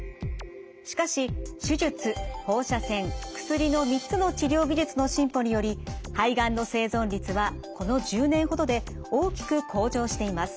しかし手術放射線薬の３つの治療技術の進歩により肺がんの生存率はこの１０年ほどで大きく向上しています。